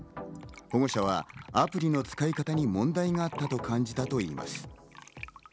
保護者はアプリの使い方に問題があったと感じたといいます。